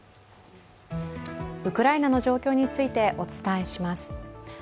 ウクライナの状況についてお伝えします。